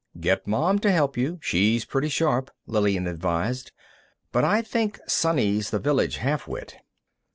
"Get Mom to help you; she's pretty sharp," Lillian advised. "But I think Sonny's the village half wit."